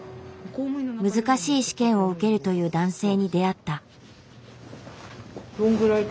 難しい試験を受けるという男性に出会った。